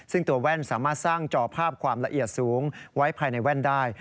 ซึ่งตัวแว่นสามารถสร้างจอภาพความละเอียดสูงไว้ภายในแว่นได้